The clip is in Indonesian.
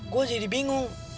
gue jadi bingung